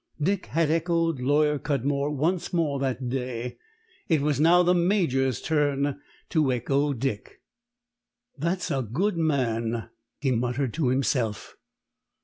Dick had echoed Lawyer Cudmore once that day; it was now the Major's turn to echo Dick. "That's a white man," he muttered to himself.